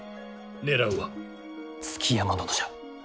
狙うは築山殿じゃ。